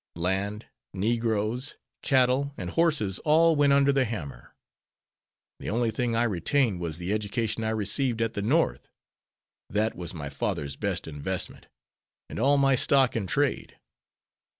Land, negroes, cattle, and horses all went under the hammer. The only thing I retained was the education I received at the North; that was my father's best investment, and all my stock in trade.